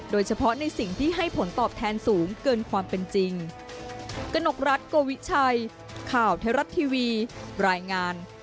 โดยเฉพาะในสิ่งที่ให้ผลตอบแทนสูงเกินความเป็นจริง